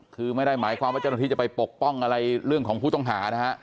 คือไม่ได้หมายความว่าเจ้าหน้าที่จะไปปกป้องอะไรเรื่องของผู้ต้องหานะฮะ